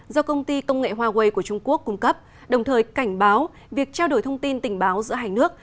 do công ty công nghệ huawei của trung quốc cung cấp đồng thời cảnh báo việc trao đổi thông tin tình báo giữa hai nước